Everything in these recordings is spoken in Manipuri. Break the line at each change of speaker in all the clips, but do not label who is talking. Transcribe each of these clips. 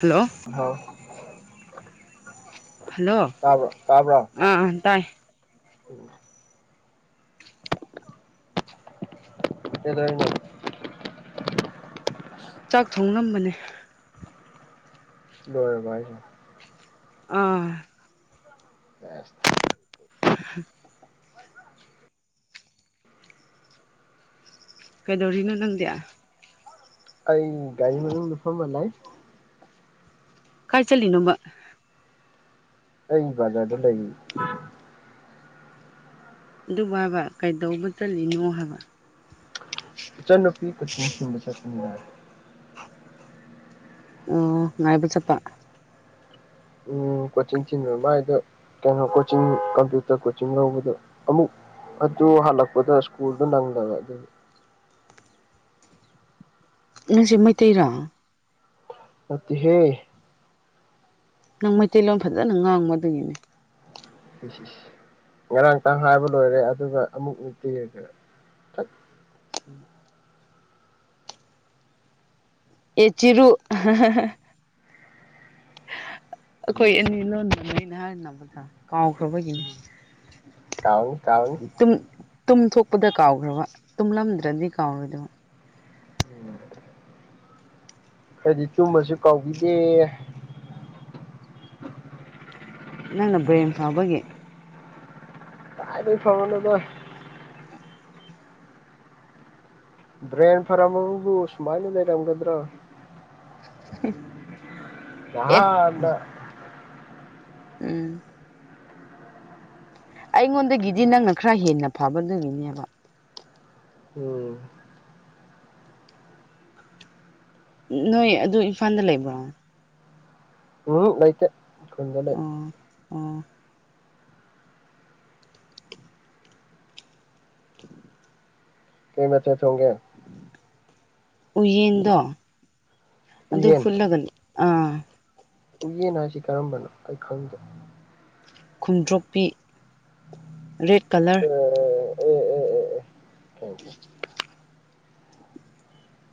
ꯍꯜꯂꯣ
ꯍ
ꯍꯜꯂꯣ
[unintelligible] ꯇꯕ꯭ꯔ ꯇꯥꯕ
ꯑꯥ ꯑꯥ ꯇꯥꯏ
ꯎꯝ [unintelligible] [inaudible] ꯑꯗꯨꯗ [unintelligible] [inaudible]
ꯆꯥꯛ ꯊꯣꯡꯂꯝꯕꯅꯦ
ꯂꯣꯏꯔꯕ ꯍꯥꯏꯁꯦ
ꯑꯥ
ꯑꯁ
[inaudible] ꯀꯩꯗꯧꯔꯤꯅꯣ ꯅꯪꯗꯤ
ꯑꯩ ꯔꯤ ꯃꯨꯝ ꯅꯨꯐꯝꯐꯝꯕ ꯂꯩ
ꯀꯥꯏ ꯆꯠꯂꯤꯅꯣꯃ
ꯑꯩ ꯖꯔꯗ ꯂꯩ
ꯑꯗꯨꯕ ꯀꯩꯗꯧꯕ ꯆꯠꯂꯤꯅꯣ ꯍꯥꯏꯕ
ꯏꯆꯟꯅ ꯅꯨꯄꯤ ꯀꯆꯤꯡ ꯊꯤꯡꯕ ꯆꯠꯄꯔꯦ
ꯑꯣ ꯉꯥꯏ ꯄꯨ ꯆꯄꯥ
ꯎ ꯀꯣꯆꯤꯡ ꯊꯤꯟꯕ ꯃꯥꯏꯗ ꯀꯩꯅꯣ ꯀꯣꯆꯤꯡ ꯀꯝꯄ꯭ꯌꯨꯇꯔ ꯀꯣꯆꯤꯡ ꯂꯧꯕꯗ ꯑꯃꯨꯛ ꯑꯗꯨ ꯍꯜꯂꯛꯄꯗ ꯁ꯭ꯀꯨꯜꯗꯨꯣ ꯅꯪꯗꯕ ꯑꯗꯨ
ꯅꯪꯁꯦ ꯃꯩꯇꯩꯔꯣ
ꯑ ꯍꯦ
ꯅꯪ ꯃꯩꯇꯩꯂꯣꯟ ꯐꯖꯅ ꯉꯥꯡꯕꯗꯨꯒꯤꯅꯦ
ꯉꯔꯥꯡꯇꯪ ꯍꯥꯏꯕ ꯂꯣꯏꯔꯦ ꯑꯗꯨꯒ ꯑꯃꯨꯛ ꯅꯨꯡꯛꯇꯤꯔꯒꯔ
ꯑꯦ ꯆꯔꯨ ꯑꯩꯈꯣꯏ
ꯎꯝ
ꯑꯅꯤ ꯂꯣꯟꯗꯅꯤ ꯑꯩꯅ ꯍꯥꯏꯅꯕꯗ ꯀꯥꯎꯈ꯭ꯔꯕꯒꯤꯅꯦ
ꯀꯥꯎꯅꯤ ꯀꯥꯎꯅꯤ
ꯇꯨꯝ ꯇꯨꯝ ꯊꯣꯛꯣꯛꯄꯗ ꯀꯥꯎꯈ꯭ꯔꯕ ꯇꯨꯝꯂꯝꯗ꯭ꯔꯗꯤ ꯀꯥꯎꯔꯣꯏꯗꯕ
ꯍꯥꯏꯗꯤ ꯇꯨꯝꯃꯁꯨ ꯀꯥꯎꯕꯤꯗꯦ
ꯅꯪ ꯕ꯭ꯔꯦꯝ ꯐꯥꯎꯕꯒꯤꯦ
ꯇꯥꯏꯔ ꯐꯕꯅꯣꯗ ꯕ꯭ꯔꯦꯟ ꯐꯔꯕꯨ ꯁꯨꯃꯥꯏꯅ ꯂꯩꯔꯝꯒꯗ꯭ꯔꯣ
ꯍ
ꯅꯥꯍꯟꯅ
ꯎꯝ ꯑꯩꯉꯣꯟꯗꯒꯤꯗꯤ ꯅꯪꯅ ꯈꯔ ꯍꯦꯟꯅ ꯐꯕꯗꯨꯒꯤꯅꯦꯕ
ꯎꯝ
ꯅꯣꯏ ꯑꯗꯨ ꯏꯝꯐꯥꯜꯗ ꯂꯩꯕ꯭ꯔꯣ
ꯎꯝ ꯂꯩꯣꯏꯇ ꯈꯨꯖ ꯂꯩ
ꯑꯥ
ꯀꯩ ꯃꯊꯦꯜ ꯊꯣꯡꯒꯦ
ꯎꯌꯦꯟꯗꯣ ꯑꯗꯨ
ꯎꯌꯦꯟ
ꯐꯨꯠꯂꯒꯅꯦ ꯑꯥ
ꯎꯌꯦꯟ ꯍꯥꯏꯁꯤ ꯀꯔꯝꯕꯅꯣ ꯑꯩ ꯈꯪꯗꯦ
ꯈꯨꯝꯗ꯭ꯔꯣꯛꯄꯤ ꯔꯦꯗ ꯀꯂꯔ
ꯑꯦ ꯑꯦ ꯑꯦ ꯑꯦ ꯊꯦꯡꯀꯌꯨ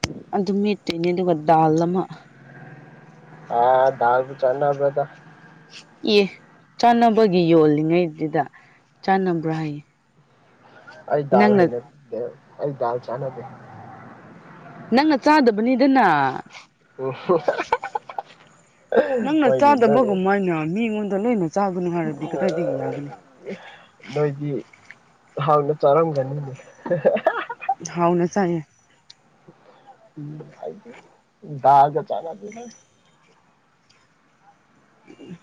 ꯎꯝ
ꯑꯗꯨꯝ ꯃꯦꯠꯇꯣꯏꯅꯦ ꯑꯗꯨꯒ ꯗꯥꯜ ꯑꯃ
ꯑꯥ ꯕꯒꯥ ꯆꯠꯅꯕꯗ
ꯑꯦ ꯆꯥꯅꯕꯒꯤ ꯌꯣꯜꯂꯤꯉꯩꯗꯨꯗ ꯆꯥꯟꯅꯕ꯭ꯔꯥ ꯍꯥꯏꯌꯦ
ꯑꯩ ꯗꯥꯜ
ꯅꯪꯅ
ꯍꯩꯅꯗꯦ ꯑꯩ ꯗꯥꯜ ꯆꯥꯅꯗꯦ
ꯅꯪꯅ ꯆꯥꯗꯕꯅꯤꯗꯅ
ꯑꯣ
ꯅꯪꯅ ꯆꯥꯗꯕꯒꯃꯥꯏꯅ ꯃꯤꯉꯣꯟꯗ ꯂꯣꯏꯅ ꯆꯥꯕꯅꯣ ꯍꯥꯏꯔꯗꯤ ꯀꯗꯥꯏꯗꯒꯤ ꯌꯥꯒꯅꯤꯣ
ꯃꯣꯏꯗꯤ ꯍꯥꯎꯅ ꯆꯥꯔꯝꯒꯅꯤꯅꯦ
ꯍꯥꯎꯅ ꯆꯥꯏꯌꯦ
ꯎꯝ ꯍꯥꯏꯗꯤ ꯗꯒꯥ ꯆꯞ ꯃꯟꯅꯩꯍꯦ
ꯎꯝ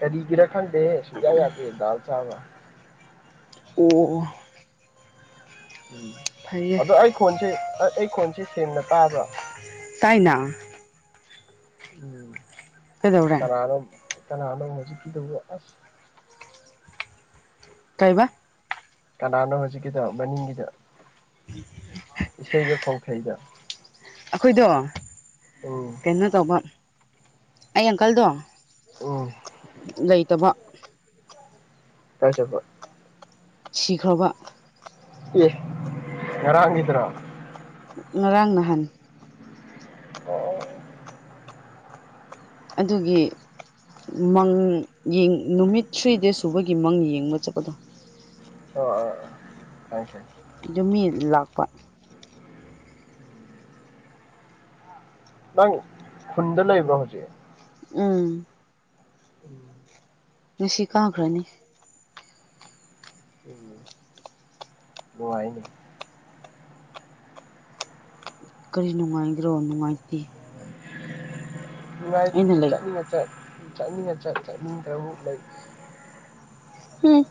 ꯀꯔꯤꯒꯤꯔ ꯈꯪꯗꯦ ꯁꯨꯡꯌꯥ ꯌꯥꯗꯦ ꯗꯥꯎ ꯆꯒꯥ
ꯑꯣ ꯑꯣ
ꯎꯝ
ꯐꯩꯌꯦ
ꯑꯗꯣ ꯑꯩ ꯈꯣꯟꯁꯦ ꯑꯩ ꯈꯣꯟꯁꯦ ꯁꯦꯡꯅ ꯇꯥꯕ꯭ꯔꯥ
ꯇꯥꯏꯅꯥ
ꯎꯝ
ꯀꯩꯗꯧꯔꯦ
ꯀꯅꯥꯅꯣ ꯀꯅꯥꯅꯣ ꯃꯨꯖꯤꯛꯀꯤ ꯇꯧꯕ ꯑꯁ
ꯀꯩꯕꯥ
ꯀꯅꯥꯅꯣ ꯍꯧꯖꯤꯛꯀꯤꯗꯣ ꯃꯅꯤꯡꯒꯤꯗꯣ ꯏꯁꯩꯒ ꯈꯣꯡꯊꯩꯗꯣ
ꯑꯩꯈꯣꯏꯗꯣ
ꯎꯝ
ꯀꯩꯅꯣ ꯇꯧꯕ ꯑꯩ ꯑꯪꯀꯜꯗꯣ
ꯎꯝ
ꯂꯩꯇꯕ
ꯀꯥ ꯆꯠꯈꯔꯦ
ꯁꯤꯈ꯭ꯔꯕ
ꯑꯦ ꯉꯔꯥꯡꯒꯤꯗꯨꯔꯣ
ꯉꯔꯥꯡ ꯅꯍꯥꯟ
ꯑꯣ
ꯑꯗꯨꯒꯤ ꯃꯪ ꯅꯨꯃꯤꯠ ꯊ꯭ꯔꯤ ꯗꯦꯁꯠ ꯁꯨꯕꯒꯤ ꯃꯪ ꯌꯦꯡꯕ ꯆꯠꯄꯗꯣ
ꯑꯣ ꯑ ꯑꯣꯀꯦ
ꯑꯗꯨꯝ ꯃꯤ ꯂꯥꯛꯄ
ꯂꯧ ꯍꯨꯟꯕ ꯂꯩꯕ꯭ꯔꯣ ꯍꯧꯖꯤꯛ
ꯎꯝ
ꯎꯝ
ꯅꯨꯡꯁꯤ ꯀꯥꯈ꯭ꯔꯅꯤ
ꯎꯝ ꯅꯨꯡꯉꯥꯏꯅꯤ
ꯀꯔꯤ ꯅꯨꯡꯉꯥꯏꯒꯦꯔꯣ ꯅꯨꯡꯉꯥꯏꯇꯦ ꯑꯩꯅ
ꯑꯗꯨꯗꯤ
ꯂꯩ
ꯆꯠꯅꯤꯡꯉ ꯆꯠ ꯆꯠꯅꯤꯡꯉ ꯆꯠ ꯆꯠꯅꯤꯡꯗ꯭ꯔꯕꯨ ꯂꯩ
ꯍꯝ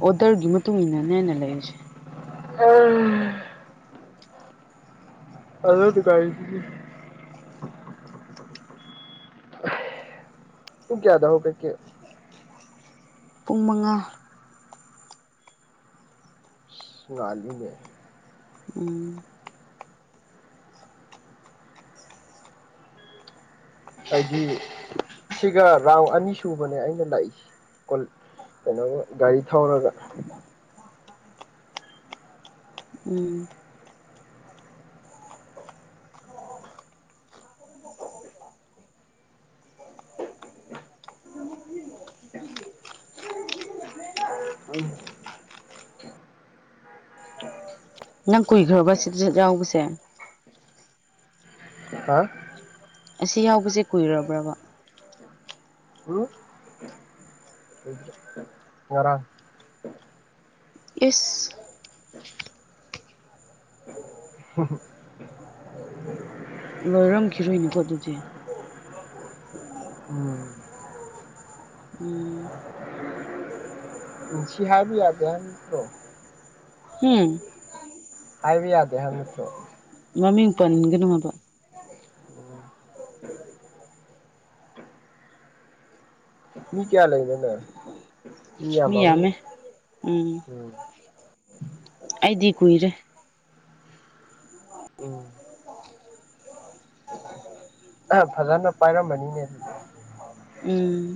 ꯑꯣꯗꫪꯒꯤ ꯃꯇꯨꯡ ꯏꯟꯅꯅꯦ ꯑꯩꯅꯥ ꯂꯩꯔꯤꯁꯦ
[unintelligible] [unintelligible] ꯄꯨꯡ ꯀꯌꯥꯗ ꯍꯧꯒꯠꯀꯦ
ꯄꯨꯡ ꯃꯪꯉꯥ
[unintelligible]
ꯎꯝ
ꯍꯥꯏꯗꯤ ꯁꯤꯒ ꯔꯥꯎꯟ ꯑꯅꯤ ꯁꯨꯕꯅꯦ ꯑꯩꯅ ꯂꯥꯛꯏꯁꯦ ꯀꯩꯅꯣꯒ ꯒꯥꯔꯤ ꯊꯧꯔꯒ
ꯎꯝ
ꯎꯝ
ꯅꯪ ꯀꯨꯏꯈ꯭ꯔꯕ ꯁꯤꯗ ꯌꯥꯎꯕꯁꯦ
ꯍꯥ
ꯑꯁꯤ ꯌꯥꯎꯕꯁꯦ ꯀꯨꯏꯔꯕ꯭ꯔꯕ
ꯎꯝ ꯋꯥꯔꯦ
ꯏꯁ ꯂꯣꯏꯔꯝꯈꯤꯔꯣꯏꯅꯦꯀꯣ ꯑꯗꯨꯗꯤ
ꯎꯝ
ꯎꯝ
ꯅꯨꯡꯁꯤ ꯍꯥꯏꯕ ꯌꯥꯗꯦ ꯍꯥꯏꯕ ꯅꯠꯇꯔꯣ
ꯍꯝ
ꯍꯥꯏꯕ ꯌꯥꯗꯦ ꯍꯥꯏꯕ ꯅꯇꯔꯣ
ꯃꯃꯤꯡ ꯄꯟꯒꯅꯨ ꯍꯕ
ꯎꯝ ꯃꯤ ꯀꯌꯥ ꯂꯩꯅꫭꯅꯪ
ꯃꯤ
ꯃꯤꯌꯥꯝꯃꯝꯅꯤ
ꯌꯥꯝꯃꯦ
ꯎꯝ
ꯑꯩꯗꯤ ꯀꯨꯏꯔꯦ
ꯎꯝ ꯑ ꯐꯖꯅ ꯄꯥꯏꯔꯝꯅꯤꯅꯦ ꯑꯗꯨꯗꯤ
ꯎꯝ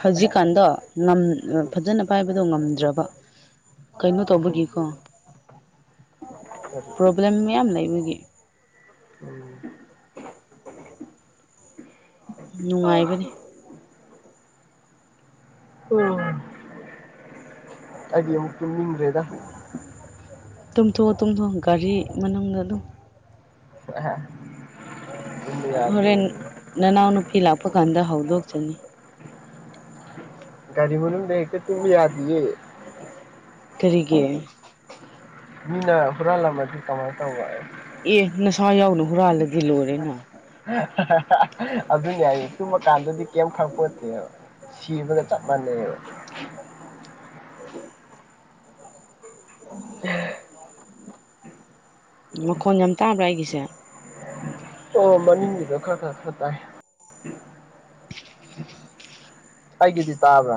ꯍꯧꯖꯤꯛꯀꯥꯟꯗꯣ ꯅꯝ
ꯎꯝ
ꯐꯖꯅ ꯄꯥꯏꯕꯗꯣ ꯉꯝꯗ꯭ꯔꯕ ꯀꯩꯅꯣ
ꯎꯝ
ꯇꯧꯕꯒꯤꯀꯣ
ꯀꯔꯤ
ꯄ꯭ꯔꯣꯕ꯭ꯂꯦꯝ ꯃꯌꯥꯝ ꯂꯩꯕꯒꯤ
ꯎꯝ
ꯅꯨꯡꯉꯥꯏꯕꯅꯤ
[unintelligible] ꯑꯗꯤ ꯑꯃꯨꯛ ꯇꯨꯝꯅꯤꯡ ꯗꯔꯦꯗ
ꯇꯨꯝꯊꯣꯛꯑꯣ ꯇꯨꯝꯊꯣꯛꯑꯣ ꯒꯥꯔꯤ ꯃꯅꯨꯡꯗ ꯑꯗꯨꯝ
[unintelligible]
ꯍꯣꯔꯦꯟ ꯅꯅꯥꯎ ꯅꯨꯄꯤ ꯂꯥꯛꯄ ꯀꯥꯟꯗ ꯍꯧꯗꯣꯛꯆꯅꯤ
ꯒꯥꯔꯤ ꯃꯅꯨꯡꯗ ꯍꯦꯛꯇ ꯇꯨꯝꯕ ꯌꯥꯗꯦꯌꯦ
ꯀꯔꯤꯒꯤ
ꯃꯤꯅ ꯍꯨꯔꯥꯜꯂꯝꯃꯗꯤ ꯀꯃꯥꯏꯅ ꯇꯧꯕ
ꯑꯦ ꯅꯁꯥ ꯌꯥꯎꯅ ꯍꯨꯔꯥꯜꯂꯗꯤ ꯂꯣꯏꯔꯦꯅ
[unintelligible] ꯑꯗꯨꯅꯤ ꯍꯥꯏꯁ ꯇꯨꯝꯃꯀꯥꯟꯗꯗꯤ ꯀꯔꯤꯝ ꯈꯪꯄꯣꯠꯇꯦꯕ ꯁꯤꯕꯒ ꯆꯞ ꯃꯥꯟꯅꯩꯕ
ꯃꯈꯣꯟ ꯌꯥꯝ ꯇꯥꯕ꯭ꯔ ꯑꯩꯒꯤꯁꯦ
ꯑꯣ ꯃꯅꯤꯡꯒꯤꯗ ꯈꯔ ꯈꯔ ꯈꯔ ꯇꯥꯏ ꯑꯩꯒꯤꯗꯤ ꯇꯥꯕ꯭ꯔ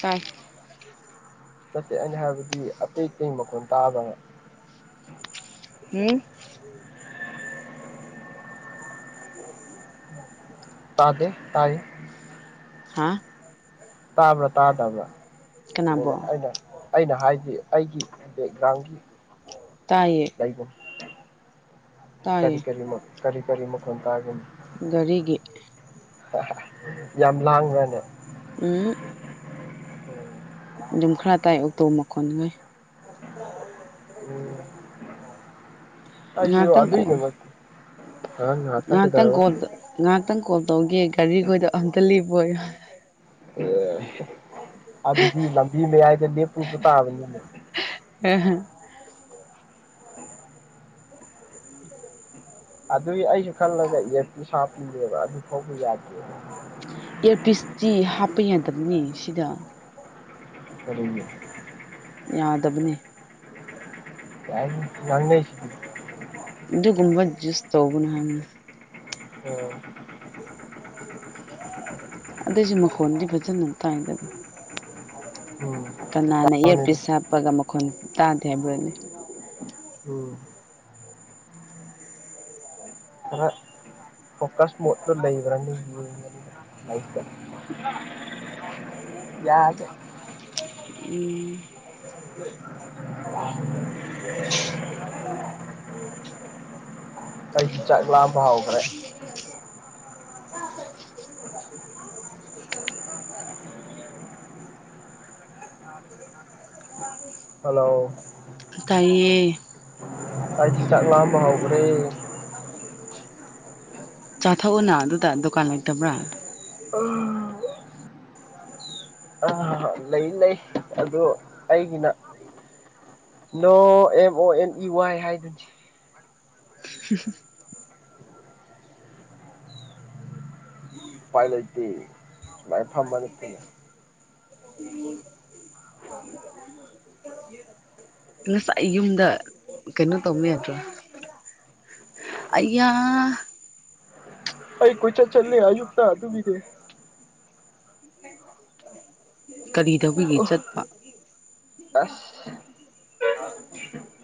ꯇꯥꯏ
ꯅꯠꯇꯦ ꯑꯩꯅ ꯍꯥꯏꯕꯗꯤ ꯑꯇꯩ ꯑꯇꯩ ꯃꯈꯣꯟ ꯇꯥꯕ‍꯭ꯔ ꯍꯪꯕ
ꯍꯝ
ꯇꯥꯗꯦ ꯇꯥꯏ
ꯍꯥ
ꯇꯥꯕ꯭ꯔꯥ ꯇꯥꯗꯕ꯭ꯔꯥ
ꯀꯅꯥꯕꯣ
[unintelligible] ꯑꯩꯅ ꯑꯩꯅ ꯍꯥꯏꯗꯤ ꯑꯩꯒꯤ ꯕꯦꯛꯒ꯭ꯔꯥꯎꯟꯒꯤ
ꯇꯥꯏꯌꯦ
[unintelligible] ꯀꯔꯤ
ꯇꯥꯏꯌꯦ
ꯀꯔꯤ ꯃ ꯀꯔꯤ ꯀꯔꯤ ꯃꯈꯣꯟ ꯇꯥꯒꯦꯅꯦ
ꯒꯔꯤꯒꯤ
[unintelligible] ꯌꯥꯝ ꯂꯥꯡꯕ꯭ꯔꯅꯦ
ꯎꯝ ꯑꯗꯨꯝ ꯈꯔ ꯇꯥꯏ ꯑꯣꯇꯣ ꯃꯈꯣꯟꯉꯩ
ꯑꯁ
ꯉꯥꯏꯍꯥꯛꯇꯪ
ꯑꯗꯨꯏ
ꯀꯣꯛ
ꯗꯃꯛ
ꯉꯥꯏꯍꯥꯛꯇꯪ ꯀꫭꯜ ꯉꯥꯏꯍꯥꯛꯇꯪ ꯀꯣꯜ ꯇꯧꯒꯦ ꯒꯥꯔꯤꯈꯣꯏꯗꫭ ꯑꯝꯇ ꯂꯦꯞꯄꫭꯌꯨ
[unintelligible] ꯑꯗꯒꯤ ꯂꯝꯕꯤ ꯃꯌꯥꯏꯗ ꯂꯦꯞꯄꯨꯕ ꯇꯥꯕꯅꯤꯅꯦ
[unintelligible]
ꯑꯗꯨꯏ ꯑꯩꯁꯨ ꯈꯜꯂꯒ ꯑꯦꯌꯥꫪꯐꯤꯁ ꯍꯥꯞꯄꯤꯅꯦꯕ ꯑꯗꯨ ꯐꯥꯎꯕ ꯌꯥꯗꯦ
ꯏꯌꯥꫪꯄꯤꯁꯇꯤ ꯍꯥꯞꯄ ꯌꯥꯗꯕꯅꯤ ꯁꯤꯗ
[unintelligible]
ꯌꯥꯗꯕꯅꯦ
[unintelligible] ꯉꯥꯡꯅꯩꯁꯤꯗꯤ
ꯗꯨꯒꯨꯝꯕ ꯖꯨꯁ ꯇꯧꯒꯅꯨ [unintelligible]
ꯑ
ꯑꯗꯨꯏꯁꯨ ꯃꯈꯣꯟꯗꯤ ꯐꯖꯅ ꯇꯥꯏꯗꯅ
ꯎꯝ
ꯀꯅꯥꯅ
ꯇꯥꯎꯅꯦ
ꯏꯌꯥꯔꯄꯤꯁ ꯍꯥꯞꯄꯒ ꯃꯈꯣꯟ ꯇꯥꯗꯦ ꯍꯥꯏꯕ꯭ꯔꯅꯦ
ꯎꯝ ꯈꯔ ꯐꯣꯀꯁ ꯃꯣꯠꯇ ꯂꯩꯕ꯭ꯔꯥꯅ ꯌꯦꯡꯕꯅꯦ [unintelligible] ꯌꯥꯗꯦ
ꯎꯝ
ꯑꯩꯗꯤ ꯆꯥꯛ ꯂꯥꯝꯕ ꯍꯧꯈ꯭ꯔꯦ ꯍꯜꯂꯣ
ꯇꯥꯏꯌꯦ
ꯑꯩꯥꯏꯗꯤ ꯆꯥꯛ ꯂꯥꯝꯕ ꯍꯧꯈ꯭ꯔꯦ
ꯆꯥꯊꯣꯛꯎꯅ ꯑꯗꯨꯗ ꯗꯨꯀꯥꯟ ꯂꯩꯇꯕ꯭ꯔꯥ
[unintelligible] ꯂꯩ ꯂꯩ ꯑꯗꯨ ꯑꯩꯒꯤꯅ ꯅꯣ M O N E Y ꯍꯥꯏꯗꯨꯅꯤ
[unintelligible]
ꯎꯄꯥꯏ ꯂꯩꯇꯦ ꯁꯨꯃꯥꯏ ꯐꯝꯕ ꯅꯠꯇꯅ
[unintelligible] ꯉꯁꯥꯏ ꯌꯨꯝꯗ ꯀꯩꯅꯣ ꯇꯧꯕ ꯌꯥꯗ꯭ꯔꯣ ꯑꯌꯥ
ꯑꯩ ꯀꯣꯏꯆꯠ ꯆꯠꯂꯦ ꯑꯌꯨꯛꯇ ꯑꯗꯨꯒꯤꯅꯦ
ꯀꯔꯤ ꯇꯧꯕꯒꯤ ꯆꯠꯄ
ꯑꯁ
[unintelligible]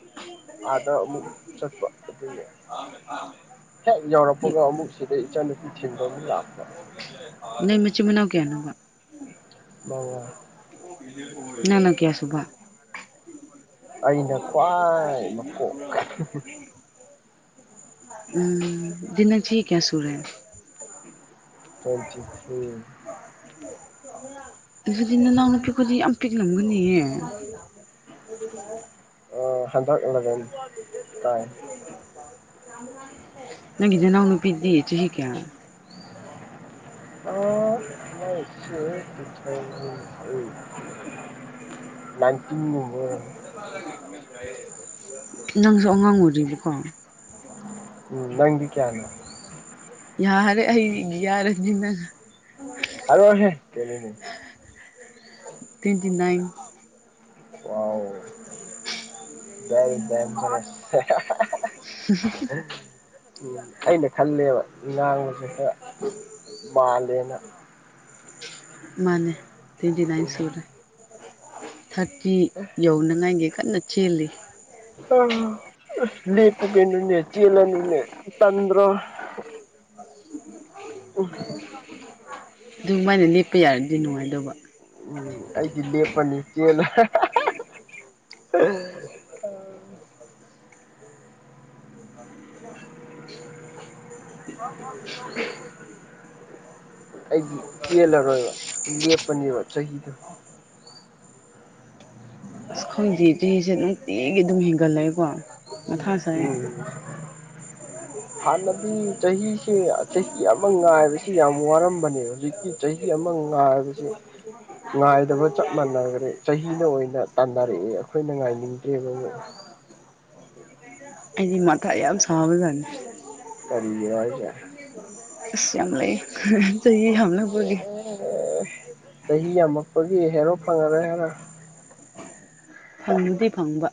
ꯑꯥꯗ ꯑꯃꯨꯛ ꯆꯠꯄ ꯑꯗꯨꯒꯤ ꯍꯦꯛ ꯌꯎꯔꯛꯄꯒ ꯑꯃꯨꯛ ꯁꯤꯗ ꯏꯆꯥꯅꯨꯄꯤ ꯊꯤꯟꯕꯒꯤ ꯂꯥꯛꯄ
ꯅꯣꯏ ꯃꯆꯤꯟ ꯃꯅꯥꯎ ꯀꯌꯥꯅꯣꯕ
ꯃꯉꯥ
ꯅꯪꯅ ꯀꯌꯥꯁꯨꯕ
ꯑꯩꯅ ꯈ꯭ꯋꯥꯏ ꯃꯀꯣꯛ
ꯎꯝ ꯅꯖꯤ ꯆꯍꯤ ꯀꯌꯥ ꯁꯨꯔꯦ
ꯆꯜꯆ꯭ꯔꯤ [unintelligible]
ꯑꯗꯨꯗꯤ ꯅꯅꯥꯎ ꯅꯨꯄꯤꯛꯄꯨꯗꯤ ꯌꯥꯝ ꯄꯤꯛꯂꯝꯒꯅꯤꯍ ꯑꯗꯨ ꯌꯥ [unintelligible]
ꯑ ꯍꯥꯟꯗꯛ ꯑꯂꯚꯦꯟ ꯇꯥꯏ
ꯅꯪꯒꯗꯦ ꯅꯎꯅꯨꯄꯤꯗꯦ ꯆꯨ ꯍꯤ ꯀ [unintelligible]
ꯑ ꯁ ꯏ [unintelligible] ꯅꯥꯏꯟꯇꯤꯟ [unintelligible]
[unintelligible] ꯅꯪꯁꯨ ꯑꯉꯥꯡ ꯎꯗ꯭ꯔꯤꯕꯀꯣ [unintelligible]
ꯎꯝ ꯅꯪꯗꯤ ꯀꯌꯥꯅꯣ
ꯌꯥꯔꯦ ꯑꯩ ꯌꯥꯔꯅꯤꯅ
ꯍꯥꯏꯔꯛ ꯑꯣꯍꯦ ꯀꯩꯅꯣꯅꯦ
ꯇ꯭ꯋꯦꯟꯇꯤ ꯅꯥꯏꯟ
ꯋꯎ [unintelligible]
ꯎꯝ [unintelligible]
ꯎ ꯑꯩꯅ ꯈꯜꯂꯦꯕ ꯉꯥꯡꯕ ꯁꯛꯄ ꯈꯔ ꯃꯥꯜꯂꯦꯅ
ꯃꯥꯅꯦ ꯇꯣꯏꯇꯤꯅꯥꯟ ꯁꯨꯔꯦ ꯊꯥꯔꯇꯤ ꯌꯧꯅꯉꯥꯏꯒꯤ ꯀꯟꯅ ꯆꯦꯜꯂꯤ
ꯑ ꯂꯦꯄꯨ ꯀꯩꯅꯣꯅꯦ ꯆꯦꯜꯂꯅꯨꯅꯦ ꯇꯟꯗ꯭ꯔꯣ ꯎ
ꯑꯗꯨꯃꯥꯏꯅ ꯂꯦꯞꯄ ꯌꯥꯔꯗꯤ ꯅꯨꯡꯉꯥꯏꯗꯧꯕ
ꯎꯝ ꯑꯩꯗꯤ ꯂꯦꯞꯄꯅꯤ ꯆꯦꯜꯂꯦ [unintelligible] ꯑꯩꯗꯤ ꯆꯦꯜꯂꯔꯣꯏꯕ ꯂꯦꯞꯄꯅꯦꯕ ꯆꯍꯤꯗꯣ
ꯑꯁ ꯈꯪꯗꯦ ꯆꯍꯤꯁꯦ ꯅꯨꯡꯇꯤꯒꯤ ꯑꯗꯨꯝ ꯍꯦꯟꯒꯠꯂꯛꯑꯀꯣ ꯃꯊꯥꯁꯥꯏꯌꯦ
ꯎꯝ ꯍꯥꯟꯅꯗꯤ ꯆꯍꯤꯁꯦ ꯆꯍꯤ ꯑꯃ ꯉꯥꯏꯕꯁꯤ ꯌꯥꯝ ꯋꯥꯔꯝꯕꯅꯦ ꯍꯧꯖꯤꯛ ꯆꯍꯤ ꯑꯃ ꯉꯥꯏꯕꯁꯤ ꯉꯥꯏꯗꯕ ꯆꯞ ꯃꯥꯟꯅꯈ꯭ꯔꯦ ꯆꯍꯤꯅ ꯑꯣꯏꯅ ꯇꯥꯟꯅꯔꯛꯑꯦ ꯑꯩꯈꯣꯏꯅ ꯉꯥꯏꯅꯤꯡꯗ꯭ꯔꯦꯕ
ꯑꯗꯤ ꯃꯊꯥ ꯌꯥꯝ ꯁꯥꯕꯖꯥꯠ ꯅꯤ
ꯀꯔꯤꯒꯤꯔꯣ ꯍꯥꯢꯁꯦ
ꯑꯁ ꯌꯥꯝ ꯂꯩ ꯆꯍꯤ ꯌꯥꯝꯂꯛꯄꯒꯤ
ꯑꯦ ꯆꯍꯤ ꯌꯥꯝꯃꯛꯄꯒꯤ ꯍꯦꯔꯣ ꯐꯪꯉꯔꯦꯏ ꯍꯥꯏꯔ
ꯐꯪꯕꯨꯗꯤ ꯐꯪꯕ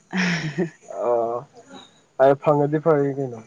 ꯑꯣ ꯐꯪꯉꯗꯤ ꯐꯔꯦ ꯀꯩꯅꯣ